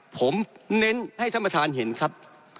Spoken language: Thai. ผมเน้นให้ท่านประธานเห็นครับ